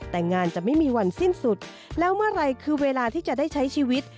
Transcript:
แต่งานจะไม่มีวันสิ้นสุดแล้วเมื่อไหร่คือเวลาที่จะได้ใช้ชีวิต